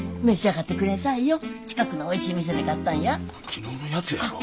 昨日のやつやろ。